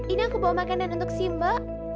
ini aku bawa makanan untuk simba